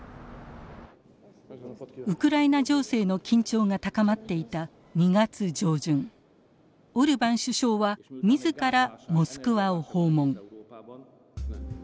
ウクライナ情勢の緊張が高まっていた２月上旬オルバン首相は自らモスクワを訪問。